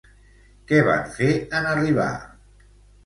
Què van fer en arribar?